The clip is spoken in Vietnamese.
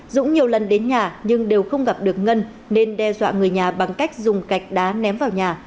dũng nhiều lần đến nhà nhưng đều không gặp được ngân nên đe dọa người nhà bằng cách dùng gạch đá ném vào nhà